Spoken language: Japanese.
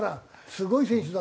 すごい選手だから。